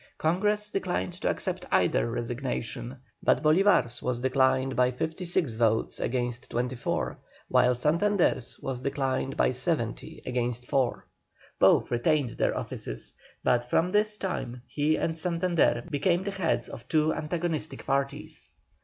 Congress declined to accept either resignation, but Bolívar's was declined by 56 votes against 24, while Santander's was declined by 70 against 4. Both retained their offices, but from this time he and Santander became the heads of two antagonistic parties.